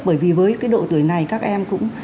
bởi vì với độ tuổi này các em cũng